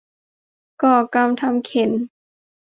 ก่อกรรมทำเข็ญ